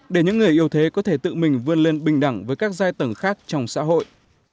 để những người yêu thế có thể tự mình vươn lên bình đẳng với các giai tầng khác trong xã hội